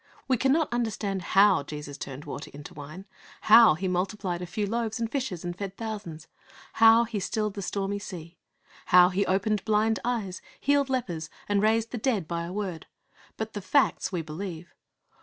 We cannot understand how Jesus turned water into wine; how He multiplied a few loaves and fishes and fed thousands; how He stilled the stormy sea; how He opened blind eyes, healed lepers, and raised the dead by a word. But the facts we believe.